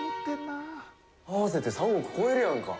合わせて３億超えるやんか。